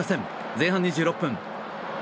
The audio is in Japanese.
前半２６分。